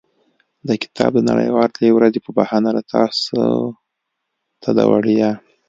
د کتاب د نړیوالې ورځې په بهانه له تاسو ته د وړیا.